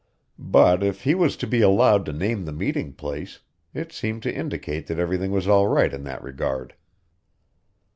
But if he was to be allowed to name the meeting place, it seemed to indicate that everything was all right in that regard.